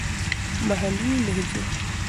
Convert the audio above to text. محلې لهجې.